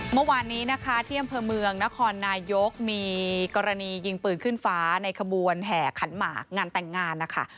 เมื่อวานนี้นะคะที่อำเภอเมืองนครนายกมีกรณียิงปืนขึ้นฟ้าในขบวนแห่ขันหมากงานแต่งงานนะคะ